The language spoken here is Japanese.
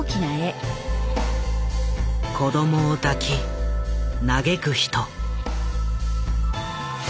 子どもを抱き嘆く人。